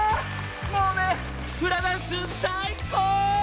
もうねフラダンスさいこう！